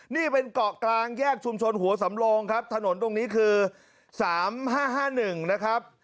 นี่เป็นเกาะกลางแยกชุมชนหัวสำโลงครับถนนตรงนี้คือ๓๕๕๑นะครับ